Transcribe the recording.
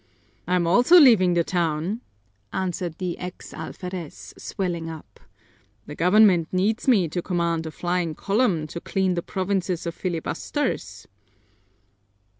"I'm also leaving the town," answered the ex alferez, swelling up. "The government needs me to command a flying column to clean the provinces of filibusters."